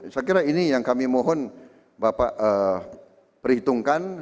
saya kira ini yang kami mohon bapak perhitungkan